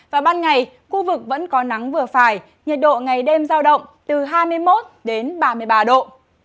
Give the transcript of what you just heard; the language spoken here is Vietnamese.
và ban ngày khu vực vẫn có nắng vừa phải nhiệt độ ngày đêm giao động từ hai mươi một đến ba mươi ba độ